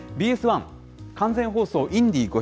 ＢＳ１、完全放送インディ５００。